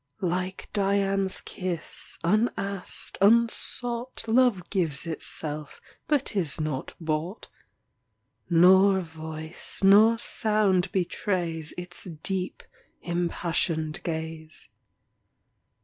Like Dian's kiss, unasked, unsought, Love gives itself, but is not bought; Nor voice, nor sound betrays Its deep, impassioned gaze.